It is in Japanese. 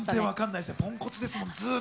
ポンコツですもん。